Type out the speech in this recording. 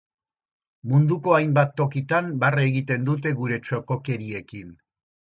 Munduko hainbat tokitan, barre egiten dute gure txokokeriekin.